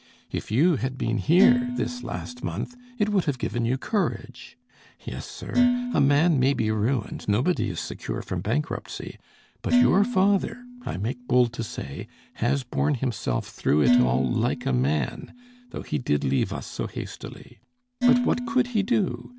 If you had been here, this last month, it would have given you courage. Yes, sir, a man may be ruined, nobody is secure from bankruptcy; but your father, I make bold to say, has borne himself through it all like a man, though he did leave us so hastily. But what could he do?